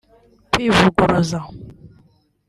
Kwivuguruza